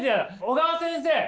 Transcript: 小川先生